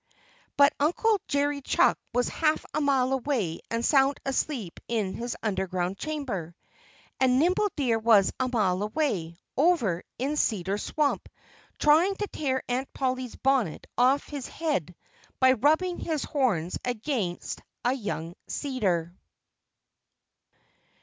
But Uncle Jerry Chuck was half a mile away and sound asleep in his underground chamber. And Nimble Deer was a mile away, over in Cedar Swamp, trying to tear Aunt Polly's bonnet off his head by rubbing his horns against a young cedar.